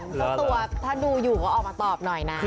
เจ้าตัวถ้าดูอยู่ก็ออกมาตอบหน่อยนะ